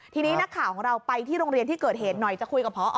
ทีนี้นักข่าวของเราไปที่โรงเรียนที่เกิดเหตุหน่อยจะคุยกับพอ